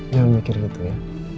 jangan mikir itu ya